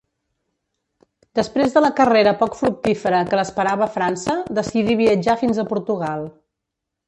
Després de la carrera poc fructífera que l'esperava a França, decidí viatjar fins a Portugal.